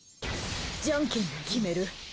じゃんけんで決める？